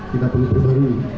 kita perlu berbarui